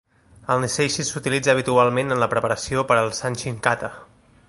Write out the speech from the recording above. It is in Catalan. El "niseishi" s'utilitza habitualment en la preparació per al "sanchin kata".